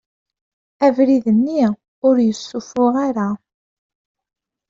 Abrid-nni ur yessufuɣ ara.